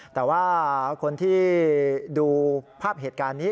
แต่ว่าคนที่ดูภาพเหตุการณ์นี้